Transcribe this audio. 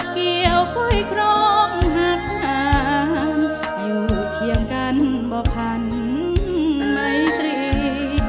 เกี่ยวค่อยครองหักทางอยู่เคียงกันบ่พันไมตรี